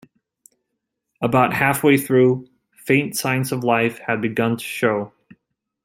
About half-way through, faint signs of life had begun to show.